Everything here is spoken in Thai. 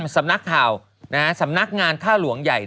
สำนักข่าวสำนักงานค่าหลวงใหญ่